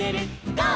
ゴー！」